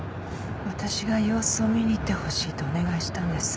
私が様子を見に行ってほしいとお願いしたんです。